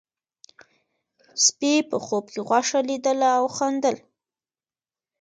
سپي په خوب کې غوښه لیدله او خندل.